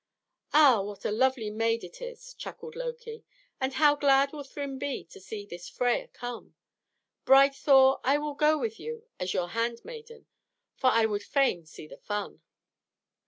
"Ah, what a lovely maid it is!" chuckled Loki; "and how glad will Thrym be to see this Freia come! Bride Thor, I will go with you as your handmaiden, for I would fain see the fun."